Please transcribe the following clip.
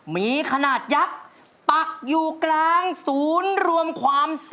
มีขนาดยักษ์ปักอยู่กลางศูนย์รวมความ